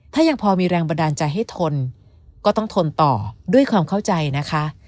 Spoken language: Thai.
ถ้ายังพอมีแรงบันดาลใจให้ทนก็ต้องทนต่อด้วยความเข้าใจนะคะ